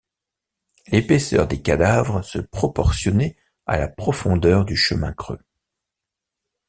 L’épaisseur des cadavres se proportionnait à la profondeur du chemin creux.